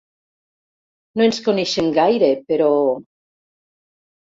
No ens coneixem gaire, però...